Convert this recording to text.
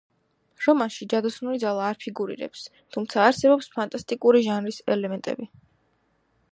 რომანში ჯადოსნური ძალა არ ფიგურირებს, თუმცა არსებობს ფანტასტიკური ჟანრის ელემენტები.